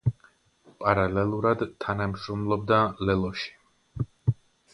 პარალელურად თანამშრომლობდა „ლელოში“.